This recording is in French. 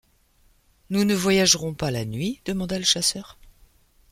Nous ne voyagerons pas la nuit ? demanda le chasseur.